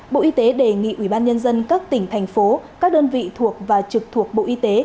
bộ y tế đề nghị ubnd các tỉnh thành phố các đơn vị thuộc và trực thuộc bộ y tế